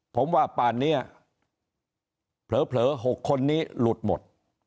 ผมว่าป่านเนี้ยเผลอเผลอหกคนนี้หลุดหมด